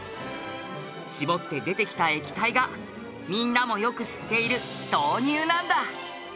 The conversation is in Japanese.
搾って出てきた液体がみんなもよく知っている豆乳なんだ。